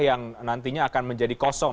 yang nantinya akan menjadi kosong